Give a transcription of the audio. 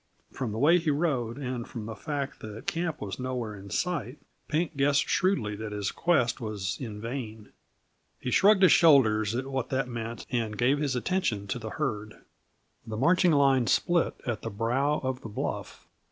From the way he rode, and from the fact that camp was nowhere in sight, Pink guessed shrewdly that his quest was in vain. He shrugged his shoulders at what that meant, and gave his attention to the herd. The marching line split at the brow of the bluff.